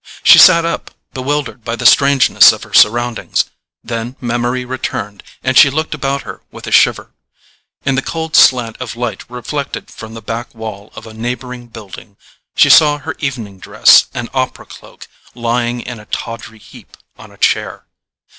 She sat up, bewildered by the strangeness of her surroundings; then memory returned, and she looked about her with a shiver. In the cold slant of light reflected from the back wall of a neighbouring building, she saw her evening dress and opera cloak lying in a tawdry heap on a chair.